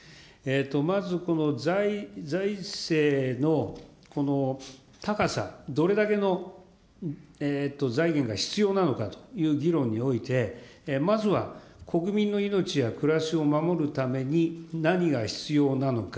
まずこの財政の高さ、どれだけの財源が必要なのかという議論において、まずは国民の命や暮らしを守るために何が必要なのか。